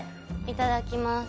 いただきます。